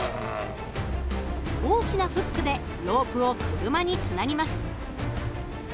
大きなフックでロープを車につなぎます。